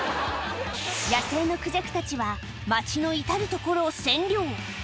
野生のクジャクたちは、街の至る所を占領。